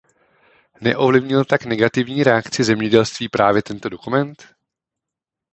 Neovlivnil tak negativní reakci zemědělství právě tento dokument?